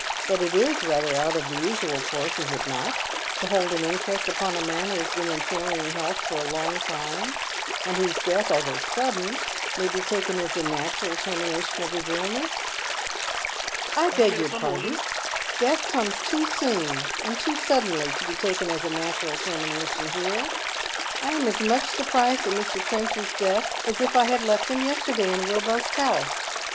But it is rather out of the usual course, is it not, to hold an inquest upon a man who has been in failing health for a long time, and whose death, although sudden, may be taken as the natural termination of his illness ?"" I beg your pardon. Death comes too soon and too suddenly to bo taken as a natural termination here. I am as much sur prised at Mr. Trenchard's death as if I had left him yesterday in The Passing Sell. 891 robnst health.